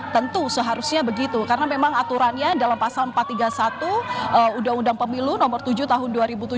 tentu seharusnya begitu karena memang aturannya dalam pasal empat ratus tiga puluh satu undang undang pemilu nomor tujuh tahun dua ribu tujuh belas